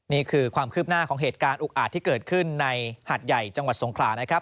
นี่คือความคืบหน้าของเหตุการณ์อุกอาจที่เกิดขึ้นในหาดใหญ่จังหวัดสงขลานะครับ